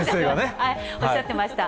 おっしゃってました。